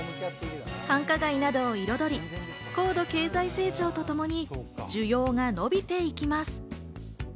繁華街などを彩り、高度経済成長とともに需要が伸びていきます。